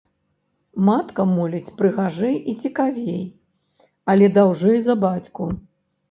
Матка моліць прыгажэй і цікавей, але даўжэй за бацьку.